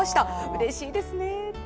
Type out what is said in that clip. うれしいですね。